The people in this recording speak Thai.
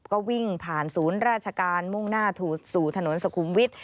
ก็วิ่งผ่านศูนย์ราชการมุ่งหน้าสู่ถนนสุขุมวิทย